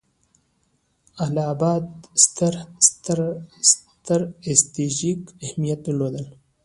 اله اباد ستر ستراتیژیک اهمیت درلود.